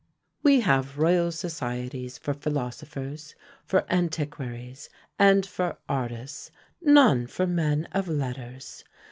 We have Royal Societies for philosophers, for antiquaries, and for artists none for men of letters!